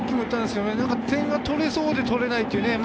点が取れそうで取れない。